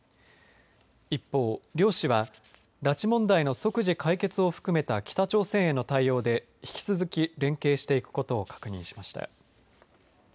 一方、両氏は拉致問題の即時解決を含めた北朝鮮への対応で引き続き連携していくことを確認しました。